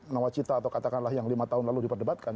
nawacita atau katakanlah yang lima tahun lalu diperdebatkan